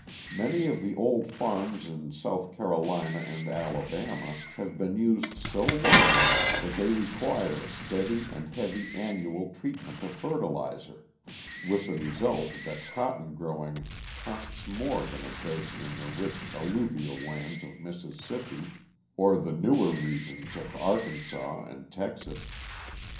Many of the old farms in South Carolina and Alabama have been used so long that they require a steady and heavy annual treatment of fertiliser, with the result that cotton growing costs more than it does in the rich alluvial lands of Mississippi, or the newer regions of Arkansas and Texas.